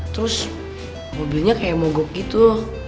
terus mobilnya kayak mogok gitu